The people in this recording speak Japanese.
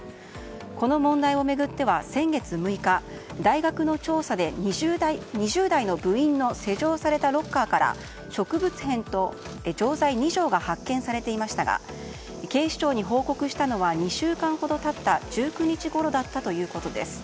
この問題を巡っては先月６日、大学の調査で２０代の部員の施錠されたロッカーから植物片と錠剤２錠が発見されていましたが警視庁に報告したのは２週間ほど経った１９日ごろだったということです。